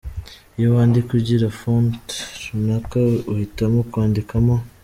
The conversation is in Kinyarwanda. Iyo wandika ugira ‘Font’ runaka uhitamo kwandikamo.